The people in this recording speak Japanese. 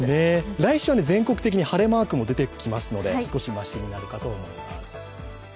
来週は全国的に晴れマークも出てきますので少しましになるかもしれません。